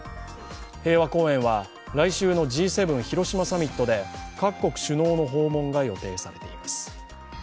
平和公園は来週のＧ７広島サミットで各国首脳の訪問が予定されています。